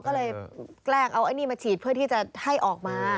ก็เลยแกล้งเอาไอ้นี่มาฉีดเพื่อที่จะให้ออกมา